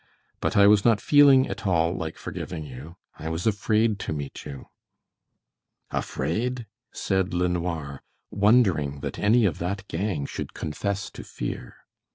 "But I was not feeling at all like forgiving you. I was afraid to meet you." "Afraid?" said LeNoir, wondering that any of that gang should confess to fear.